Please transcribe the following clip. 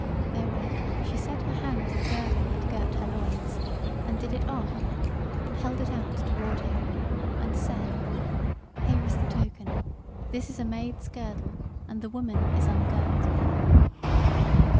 Therewith she set her hand to the girdle that girt her loins, and did it off, and held it out toward him, and said: "Here is the token; this is a maid's girdle, and the woman is ungirt."